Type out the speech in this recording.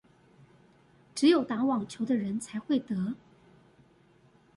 只有打網球的人才會得